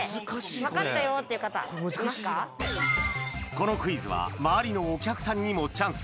このクイズは周りのお客さんにもチャンスが！